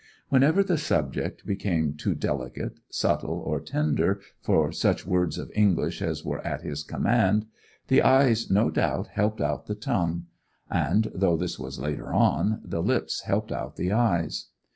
Whenever the subject became too delicate, subtle, or tender, for such words of English as were at his command, the eyes no doubt helped out the tongue, and—though this was later on—the lips helped out the eyes.